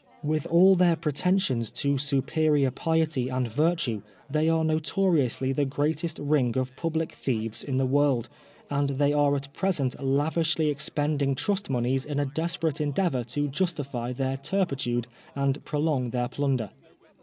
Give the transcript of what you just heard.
With all their pre* tensions to superior piety and virtue, they are noto riously the greatest ring of public thieves in the world, and they are at present lavishly expending trust monies in a desperate endeavor to justify their turpi tude and prolong their plunder.